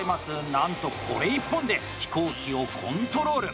なんと、これ１本で飛行機をコントロール。